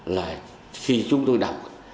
là khi chúng tôi đọc